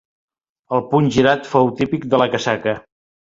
El puny girat fou típic de la casaca.